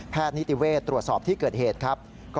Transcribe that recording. นิติเวศตรวจสอบที่เกิดเหตุครับ